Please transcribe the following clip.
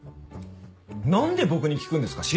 なんで僕に聞くんですか？